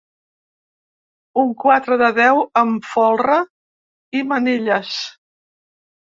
Un quatre de deu amb folre i manilles.